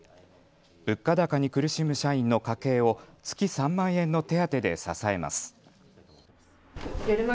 物価高に苦しむ社員の家計を月３万円の手当で支えます。